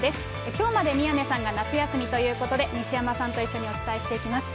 きょうまで宮根さんが夏休みということで、西山さんと一緒にお伝えしていきます。